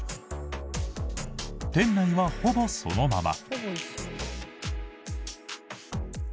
店内は、ほぼそのまま。